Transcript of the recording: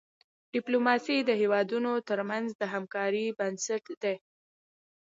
ډيپلوماسي د هېوادونو ترمنځ د همکاری بنسټ دی.